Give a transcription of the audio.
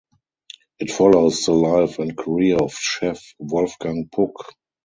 It follows the life and career of chef Wolfgang Puck.